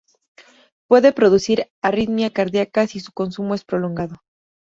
Puede producir arritmia cardíaca si su consumo es prolongado.